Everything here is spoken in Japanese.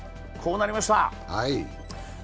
こうなりました。